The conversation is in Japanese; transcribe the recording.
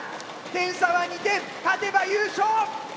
点差は２点勝てば優勝！